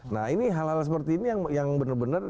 nah ini hal hal seperti ini yang bener bener